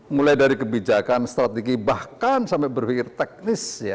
mulai dari kebijakan strategi bahkan sampai berpikir teknis